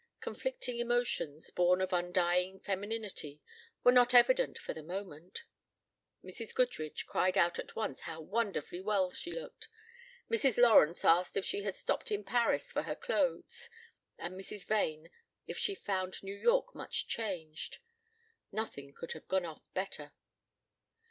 Conflicting emotions, born of undying femininity, were not evident for the moment. Mrs. Goodrich cried out at once how wonderfully well she looked, Mrs. Lawrence asked if she had stopped in Paris for her clothes, and Mrs. Vane if she found New York much changed. Nothing could have gone off better.